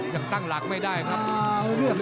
ยังตั้งหลักไม่ได้ครับ